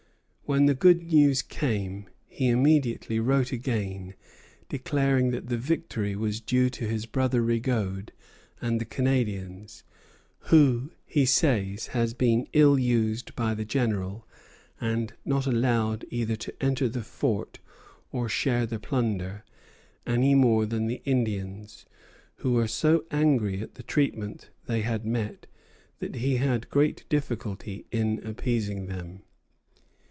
When the good news came he immediately wrote again, declaring that the victory was due to his brother Rigaud and the Canadians, who, he says, had been ill used by the General, and not allowed either to enter the fort or share the plunder, any more than the Indians, who were so angry at the treatment they had met that he had great difficulty in appeasing them.